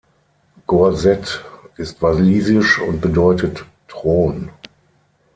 Gorsedd ist walisisch und bedeutet Thron.